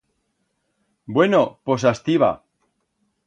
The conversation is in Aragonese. Bueno, pos astí va.